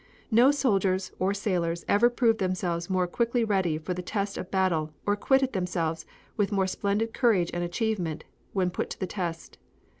No soldiers, or sailors, ever proved themselves more quickly ready for the test of battle or acquitted themselves with more splendid courage and achievement when put to the test.